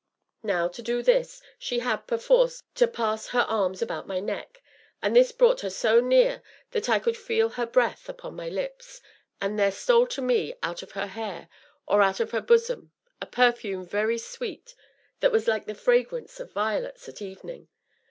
Now, to do this, she had, perforce, to pass her, arms about my neck, and this brought her so near that I could feel her breath upon my lips, and there stole to me, out of her hair, or out of her bosom, a perfume very sweet, that was like the fragrance of violets at evening.